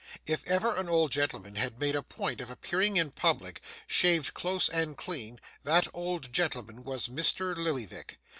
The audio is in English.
If ever an old gentleman had made a point of appearing in public, shaved close and clean, that old gentleman was Mr. Lillyvick.